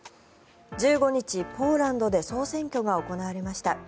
１５日、ポーランドで総選挙が行われました。